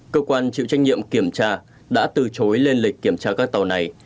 cơ quan chịu trách nhiệm kiểm tra đã từ chối lên lịch kiểm tra các tàu này